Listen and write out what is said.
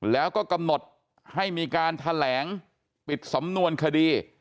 แล้วก็กำหนดให้มีการแถลงปิดสำนวนคดี